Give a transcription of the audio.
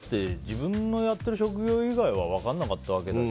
でもこれみんな昔の親だって自分のやってる職業以外は分かんなかったわけだし。